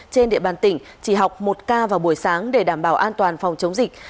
trên địa bàn tỉnh chỉ học một ca vào buổi sáng để đảm bảo an toàn phòng chống dịch